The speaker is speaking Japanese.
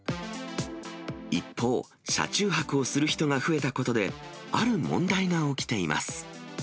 一方、車中泊をする人が増えたことで、ある問題が起きています。